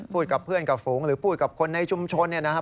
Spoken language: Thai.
กับเพื่อนกับฝูงหรือพูดกับคนในชุมชนเนี่ยนะครับ